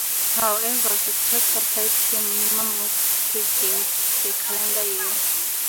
However, the tax applied to a maximum of three games per calendar year.